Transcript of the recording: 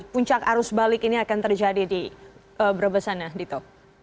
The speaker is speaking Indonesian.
puncak arus balik ini akan terjadi di brebesan ya dito